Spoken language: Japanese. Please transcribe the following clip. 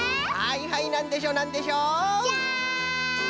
はいはいなんでしょうなんでしょう？